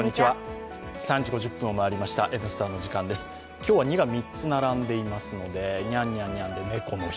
今日は２が３つ並んでいますのでにゃんにゃんにゃんで猫の日。